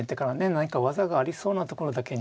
何か技がありそうなところだけに。